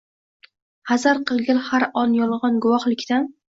Hazar qilgil har on yolgon guvohlikdan